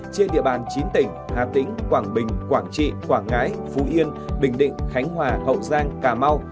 trên địa bàn chín tỉnh hà tĩnh quảng bình quảng trị quảng ngãi phú yên bình định khánh hòa hậu giang cà mau